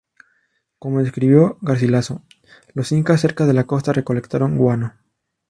Como describió Garcilaso, los incas cerca de la costa recolectaron guano.